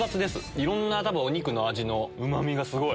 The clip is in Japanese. いろんな多分お肉の味のうま味がすごい。